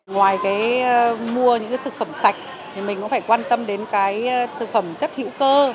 ngoài mua những thực phẩm sạch mình cũng phải quan tâm đến thực phẩm chất hữu cơ